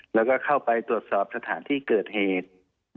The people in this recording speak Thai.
แล้วก็เข้าไปตรวจสอบสถานที่เกิดเหตุ